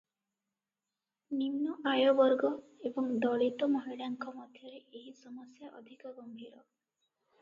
ନିମ୍ନ ଆୟବର୍ଗ ଏବଂ ଦଳିତ ମହିଳାଙ୍କ ମଧ୍ୟରେ ଏହି ସମସ୍ୟା ଅଧିକ ଗମ୍ଭୀର ।